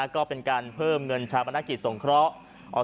ก็เป็นการเพิ่มเงินชาปนกิจสงเคราะห์